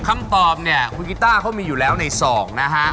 คำตอบเนี่ยคุณกิต้าเขามีอยู่แล้วในสองนะฮะ